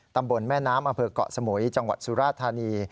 ตำบนแม่น้ำอเผลอเกาะสโมยจังหวัดสุราษฎาลทานี